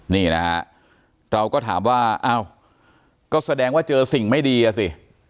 นี่นะฮะเราก็ถามว่าอ้าวก็แสดงว่าเจอสิ่งไม่ดีอ่ะสิ